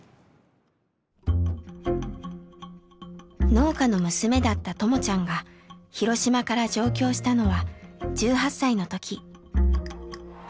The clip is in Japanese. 農家の娘だったともちゃんが広島から上京したのは１８歳の時。